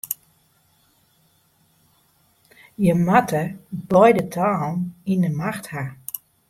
Je moatte beide talen yn 'e macht ha.